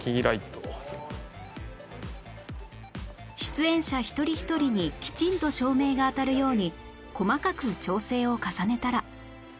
出演者一人一人にきちんと照明が当たるように細かく調整を重ねたら